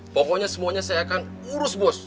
pokoknya semuanya saya akan urus bos